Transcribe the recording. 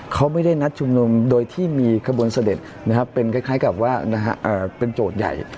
เขาไม่ได้นัดชุมนุมโดยที่มีขบวนเสด็จเป็นคล้ายกับว่าเป็นโจทย์ใหญ่